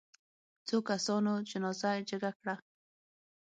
څو کسانو جنازه جګه کړه.